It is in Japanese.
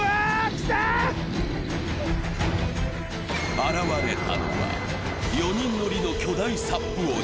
現れたのは、４人乗りの巨大サップ鬼。